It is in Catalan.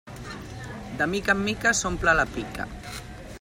De mica en mica s'omple la pica.